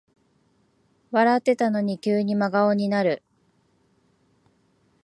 笑ってたのに急に真顔になる